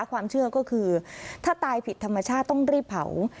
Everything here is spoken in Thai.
ความเชื่อก็คือถ้าตายผิดธรรมชาติต้องรีบเผา